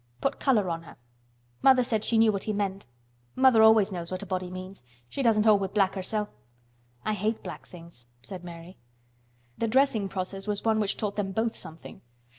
Put color on her.' Mother she said she knew what he meant. Mother always knows what a body means. She doesn't hold with black hersel'." "I hate black things," said Mary. The dressing process was one which taught them both something.